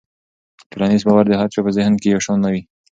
ټولنیز باور د هر چا په ذهن کې یو شان نه وي.